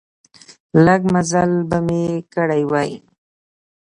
لږ مزل به مې کړی و.